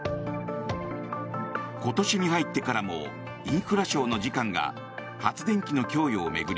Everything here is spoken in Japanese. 今年に入ってからもインフラ省の次官が発電機の供与を巡り